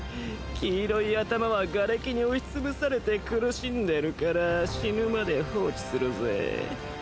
黄色い頭はがれきに押しつぶされて苦しんでるから死ぬまで放置するぜぇ。